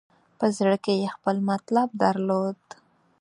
په زړه کې یې خپل مطلب درلود.